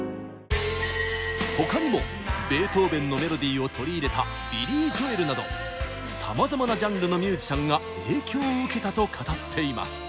他にもベートーベンのメロディーを取り入れたビリー・ジョエルなどさまざまなジャンルのミュージシャンが影響を受けたと語っています。